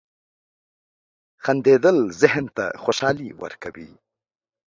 • خندېدل ذهن ته خوشحالي ورکوي.